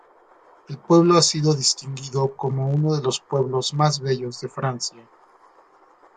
El pueblo ha sido distinguido como uno de Los pueblos más bellos de Francia.